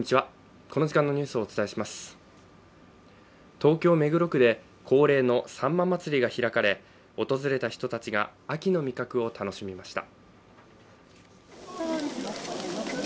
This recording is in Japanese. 東京・目黒区で恒例のさんま祭が開かれ訪れた人たちが秋の味覚を楽しみました。